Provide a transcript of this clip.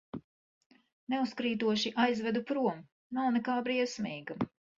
Neuzkrītoši aizvedu prom, nav nekā briesmīga.